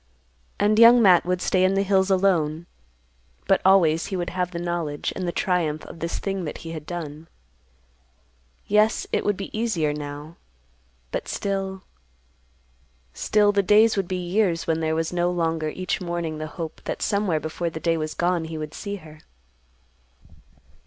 And Young Matt would stay in the hills alone, but always he would have the knowledge and the triumph of this thing that he had done. Yes, it would be easier now, but still—still the days would be years when there was no longer each morning the hope that somewhere before the day was gone he would see her.